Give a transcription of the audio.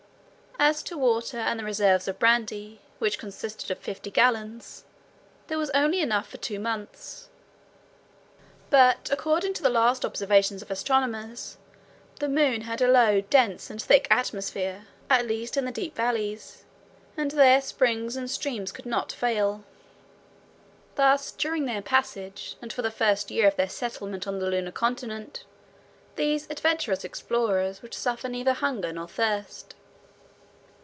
As to water and the reserve of brandy, which consisted of fifty gallons, there was only enough for two months; but according to the last observations of astronomers, the moon had a low, dense, and thick atmosphere, at least in the deep valleys, and there springs and streams could not fail. Thus, during their passage, and for the first year of their settlement on the lunar continent, these adventurous explorers would suffer neither hunger nor thirst.